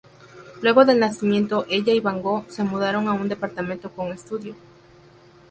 Luego del nacimiento ella y van Gogh se mudaron a un departamento con estudio.